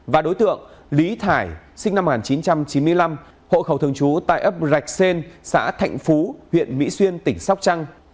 và đối tượng lý thải sinh năm một nghìn chín trăm chín mươi năm hộ khẩu thường trú tại ấp rạch xên xã thạnh phú huyện mỹ xuyên tỉnh sóc trăng